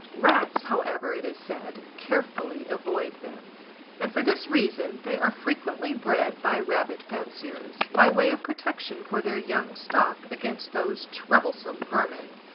Rats, however, it is said, carefully avoid them; and for this reason they are frequently bred by rabbit fanciers, by way of protection for their young stock against those troublesome vermin.